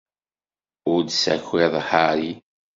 Ur d-tessakiḍ Harry.